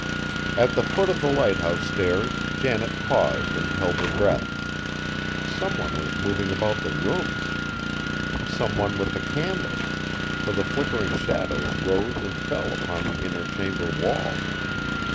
At the foot of the lighthouse stairs Janet paused and held her breath. Some one was moving about the rooms! Some one with a candle, for the flickering shadows rose and fell upon the inner chamber wall.